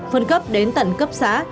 phân cấp đến tận cấp xã